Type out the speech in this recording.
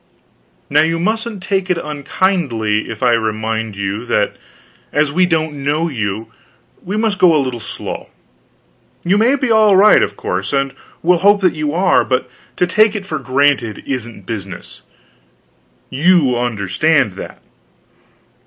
Now you mustn't take it unkindly if I remind you that as we don't know you, we must go a little slow. You may be all right, of course, and we'll hope that you are; but to take it for granted isn't business. You understand that.